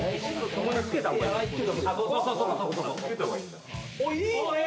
そこにつけた方がいい。